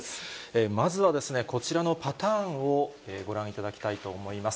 まずはこちらのパターンをご覧いただきたいと思います。